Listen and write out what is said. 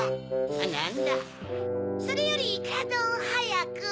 あなんだ。それよりいくらどんをはやく。